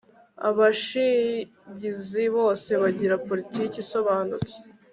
abishingizi bose bagira politiki isobanutse